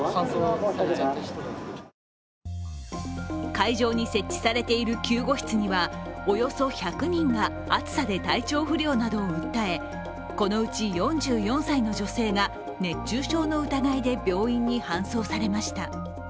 会場に設置されている救護室にはおよそ１００人が暑さで体調不良などを訴え、このうち４４歳の女性が熱中症の疑いで病院に搬送されました。